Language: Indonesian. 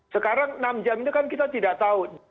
sekarang enam jam itu kan kita tidak tahu